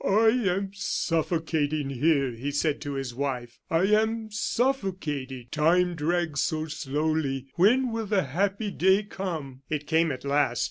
"I am suffocating here," he said to his wife. "I am suffocating. Time drags so slowly. When will the happy day come?" It came at last.